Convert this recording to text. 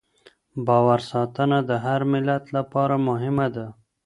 باور ساتنه د هر ملت لپاره مهمه ده.